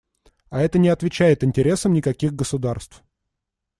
А это не отвечает интересам никаких государств.